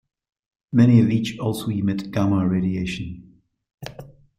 Many of each also emit gamma radiation.